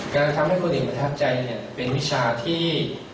การทำให้คนอื่นประทับใจเป็นวิชาที่